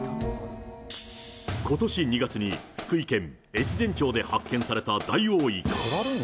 ことし２月に、福井県越前町で発見されたダイオウイカ。